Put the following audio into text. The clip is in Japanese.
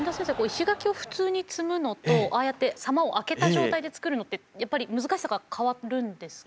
石垣を普通に積むのとああやって狭間をあけた状態で造るのってやっぱり難しさが変わるんですか？